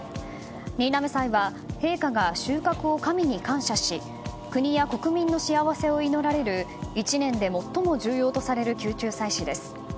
新嘗祭は陛下が収穫を神に感謝し国や国民の幸せを祈られる１年で最も重要とされる宮中祭祀です。